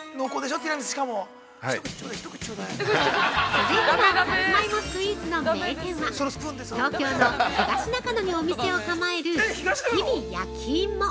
◆続いてのさつまいもスイーツの名店は東京の東中野にお店を構える「日比焼き芋」。